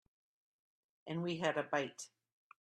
And we had a bite.